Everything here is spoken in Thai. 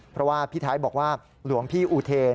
เพราะว่าพี่ไทยบอกว่าหลวงพี่อุเทน